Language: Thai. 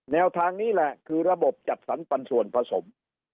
แนวทางนี้แหละคือระบบจัดสรรปันส่วนผสม